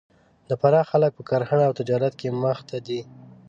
د فراه خلک په کرهنه او تجارت کې مخ ته دي